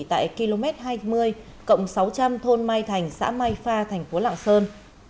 tại km hai mươi cộng sáu trăm linh thôn mai thành xã mai pha tp lạng sơn